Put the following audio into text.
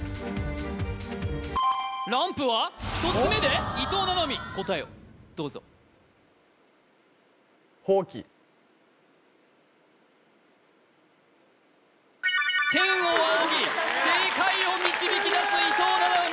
ランプは１つ目で伊藤七海答えをどうぞ天を仰ぎ正解を導き出す伊藤七海